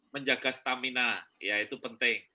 menjaga stamina ya itu penting